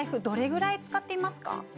どれぐらい使っていますか？